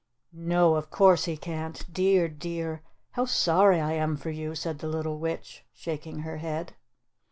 "No, of course he can't. Dear, dear! How sorry I am for you," said the little witch, shaking her head.